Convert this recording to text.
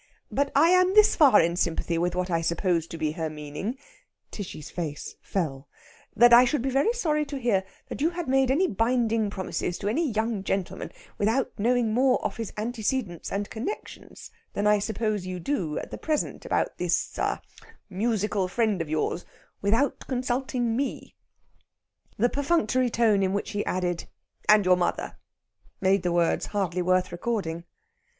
"But I am this far in sympathy with what I suppose to be her meaning" Tishy's face fell "that I should be very sorry to hear that you had made any binding promises to any young gentleman without knowing more of his antecedents and connexions than I suppose you do at the present about this a musical friend of yours without consulting me." The perfunctory tone in which he added, "and your mother," made the words hardly worth recording.